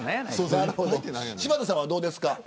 柴田さんはどうですか。